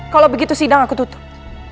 kalau begitu sidang aku tutup